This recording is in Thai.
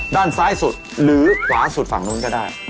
ด้านซ้ายสุดหรือขวาสุดฝั่งนู้นก็ได้